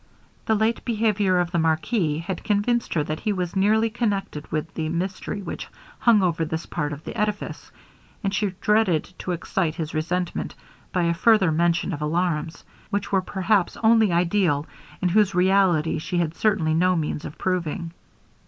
The late behaviour of the marquis had convinced her that he was nearly connected with the mystery which hung over this part of the edifice; and she dreaded to excite his resentment by a further mention of alarms, which were perhaps only ideal, and whose reality she had certainly no means of proving.